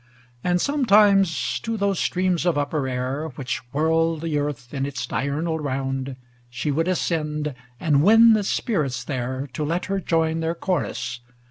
LVI Aud sometimes t┬® those streams of upper air, Which whirl the earth in its diurnal round. She would ascend, and win the spirits there To let her join their chorus.